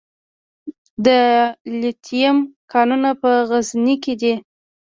د لیتیم کانونه په غزني کې دي